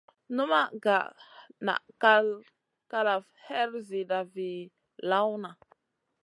Nul ma nʼga nʼa Kay kalaf her ziida vii lawna.